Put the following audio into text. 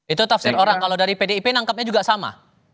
itu tafsir orang kalau dari pdip nangkepnya juga sama